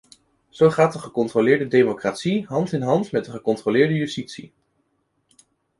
Zo gaat de gecontroleerde democratie hand in hand met de gecontroleerde justitie.